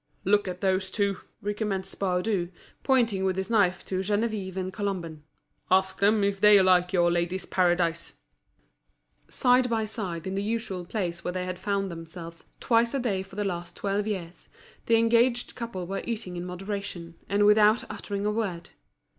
"Look at those two," recommenced Baudu, pointing with his knife to Geneviève and Colomban, "Ask them if they like your Ladies'' Paradise." Side by side in the usual place where they had found themselves twice a day for the last twelve years, the engaged couple were eating in moderation, and without uttering a word.